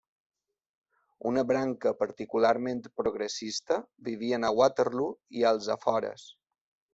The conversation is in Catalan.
Una branca particularment progressista vivien a Waterloo i als afores.